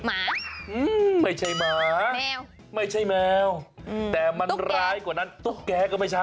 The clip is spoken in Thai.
หมาแมวไม่ใช่แมวแต่มันร้ายกว่านั้นตุ๊กแก๊ก็ไม่ใช่